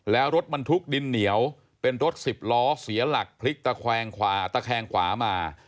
แล้วรถบรรทุกดินเหนียวเป็นรถสิบล้อเสียหลักพลิกตะแคงขวาตะแคงขวามา